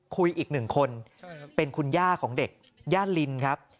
อีกหนึ่งคนเป็นคุณย่าของเด็กย่าลินครับ